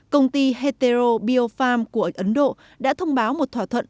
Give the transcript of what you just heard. công ty hetero biopharm của ấn độ đã thông báo một thỏa thuận